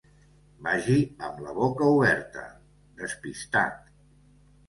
Vagi amb la boca oberta, despistat.